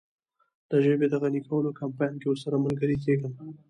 د ژبې د غني کولو کمپاین کې ورسره ملګری کیږم.